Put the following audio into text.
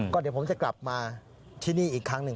ก็เดี๋ยวผมจะกลับมาที่นี่อีกครั้งหนึ่ง